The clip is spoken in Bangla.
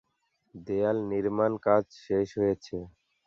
দেয়াল নির্মাণ কাজ শেষ হয়েছে।